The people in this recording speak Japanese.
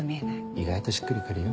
意外としっくり来るよ。